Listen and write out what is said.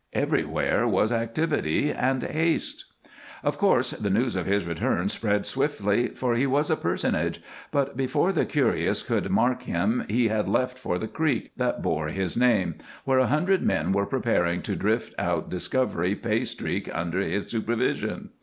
Everywhere was activity and haste. Of course the news of his return spread swiftly, for he was a personage, but before the curious could mark him he had left for the creek that bore his name, where a hundred men were preparing to drift out Discovery pay streak under his supervision.